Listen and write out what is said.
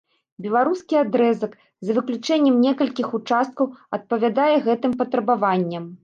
Беларускі адрэзак, за выключэннем некалькіх участкаў, адпавядае гэтым патрабаванням.